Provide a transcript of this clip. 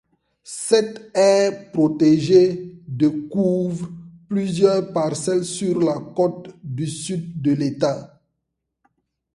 Cette aire protégée de couvre plusieurs parcelles sur de côte du sud de l'État.